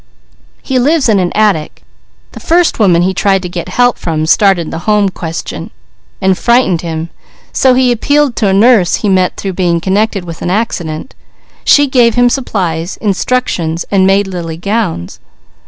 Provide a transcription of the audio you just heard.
"He lives in an attic. The first woman he tried to get help from started the Home question, and frightened him; so he appealed to a nurse he met through being connected with an accident; she gave him supplies, instructions and made Lily gowns."